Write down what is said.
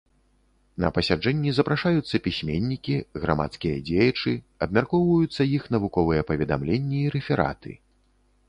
На пасяджэнні запрашаюцца пісьменнікі, грамадскія дзеячы, абмяркоўваюцца іх навуковыя паведамленні і рэфераты.